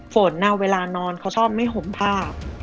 ฝนเวลานอนเขาชอบไม่ห่มผ้า